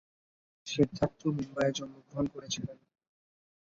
সিদ্ধার্থ মুম্বইয়ে জন্মগ্রহণ করেছিলেন।